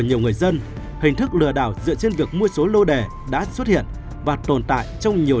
nhiều người dân hình thức lừa đảo dựa trên việc mua số lô đẻ đã xuất hiện và tồn tại trong nhiều